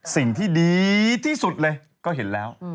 สิ่งที่ดีที่สุดเลยก็เห็นแล้ว